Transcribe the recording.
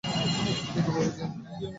আপনি কিভাবে জানেন?